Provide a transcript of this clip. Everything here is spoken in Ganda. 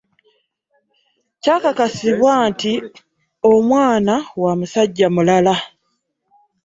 Kyakakasibwa nti omwana wa musajja mulala.